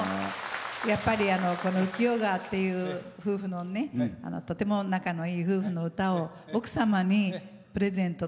やっぱりこの「憂き世川」っていうとても仲のいい夫婦の歌を奥様にプレゼント